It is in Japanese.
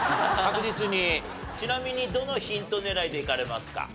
ちなみにどのヒント狙いでいかれますか？